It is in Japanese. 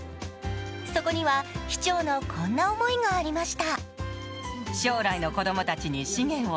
そこには市長のこんな思いがありました。